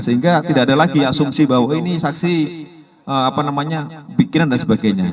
sehingga tidak ada lagi asumsi bahwa ini saksi pikiran dan sebagainya